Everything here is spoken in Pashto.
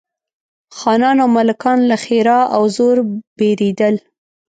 خانان او ملکان له ښرا او زور بېرېدل.